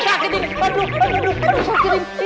aduh aduh aduh sakit ini